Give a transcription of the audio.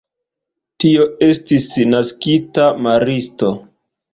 Tio estis naskita maristo.